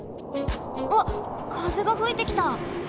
わっかぜがふいてきた！